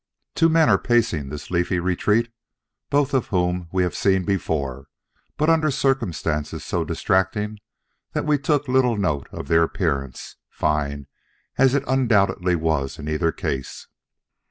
Two men are pacing this leafy retreat, both of whom we have seen before, but under circumstances so distracting that we took little note of their appearance, fine as it undoubtedly was in either case.